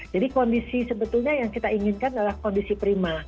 jadi kondisi sebetulnya yang kita inginkan adalah kondisi prima